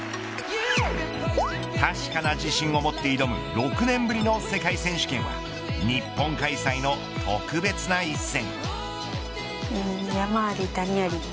確かな自信を持って挑む６年ぶりの世界選手権。日本開催の特別な一戦。